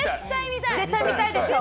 絶対見たいでしょ？